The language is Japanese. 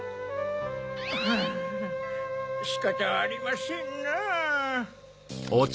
ハァしかたありませんなぁ。